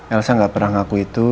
elsa gak pernah ngaku itu